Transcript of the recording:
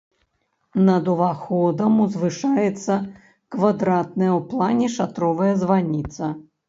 Над уваходам узвышаецца квадратная ў плане шатровая званіца.